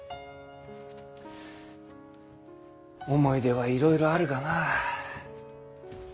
思い出はいろいろあるがなあ。